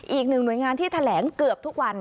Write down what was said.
อีกหนึ่งหน่วยงานที่แถลงเกือบทุกวัน